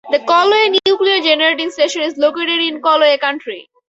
The Callaway Nuclear Generating Station is located in Callaway County.